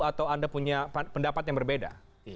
atau anda punya pendapat yang berbeda